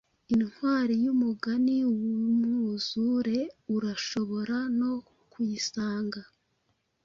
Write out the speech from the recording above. intwari yumugani wumwuzureurashobora no kuyisanga